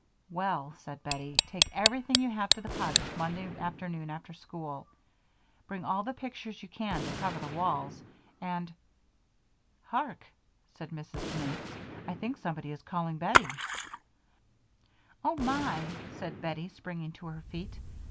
"Well," said Bettie, "take everything you have to the cottage Monday afternoon after school. Bring all the pictures you can to cover the walls, and " "Hark!" said Mrs. Mapes. "I think somebody is calling Bettie." "Oh, my!" said Bettie, springing to her feet.